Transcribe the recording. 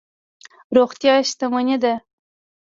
روغتیا شتمني ده.